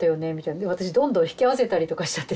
で私どんどん引き合わせたりとかしちゃってて。